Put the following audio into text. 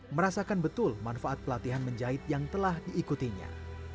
merasakan betul manfaat pelatihan menjahit yang telah diikutinya